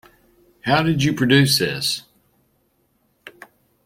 How did you produce this?